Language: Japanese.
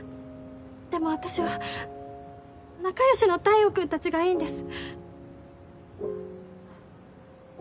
でも私は仲良しの太陽君たちがいいんです。